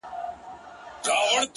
د مسجد په منارو که چي هېرېږئ!